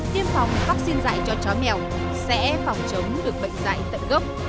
tiêm phòng vắc xin dạy cho chó mèo sẽ phòng chống được bệnh dạy tận gốc